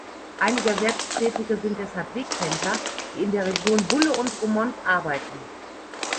Einige Erwerbstätige sind deshalb Wegpendler, die in der Region Bulle und in Romont arbeiten.